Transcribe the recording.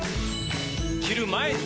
着る前に！